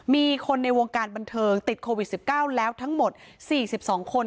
มีคนในวงการบันเทิงติดโควิด๑๙แล้วทั้งหมด๔๒คน